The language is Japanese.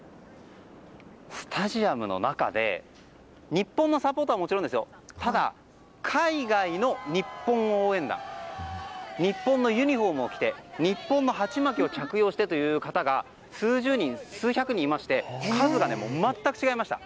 スタジアムの中で日本のサポーターはもちろんただ、海外の日本応援団日本のユニホームを着て日本の鉢巻きを着用してという方が数十人、数百人いまして数が全く違いました。